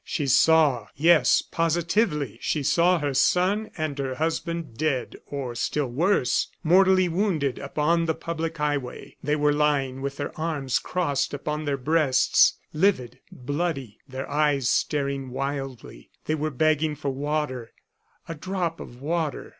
She saw yes, positively, she saw her son and her husband, dead or still worse, mortally wounded upon the public highway they were lying with their arms crossed upon their breasts, livid, bloody, their eyes staring wildly they were begging for water a drop of water.